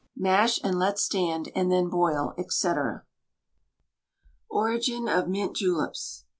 Mash, and let stand; and then boil, &c. ORIGIN OF MINT JULEPS.